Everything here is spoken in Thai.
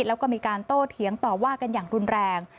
แล้วก็มีการโต้เถียงต่อว่ากันอย่างรุนแรง